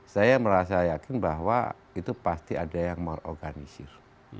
saya merasa yakin bahwa itu pasti ada yang mengor organisir